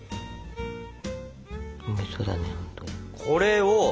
これを。